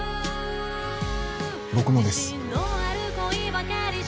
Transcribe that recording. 僕もです